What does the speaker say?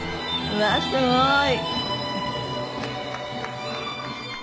うわーすごーい！